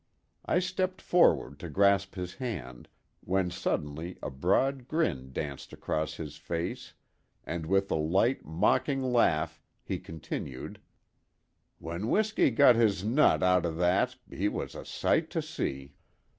I stepped forward to grasp his hand, when suddenly a broad grin danced across his face and with a light, mocking laugh he continued: "W'en W'isky got 'is nut out o' that 'e was a sight to see!